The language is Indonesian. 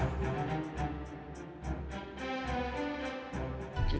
kita yuk mereka itu sangat hebat